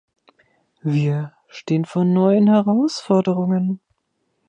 Wir stehen vor neuen Herausforderungen.